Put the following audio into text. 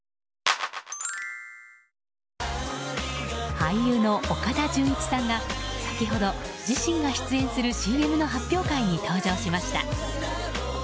俳優の岡田准一さんが先ほど、自身が出演するＣＭの発表会に登場しました。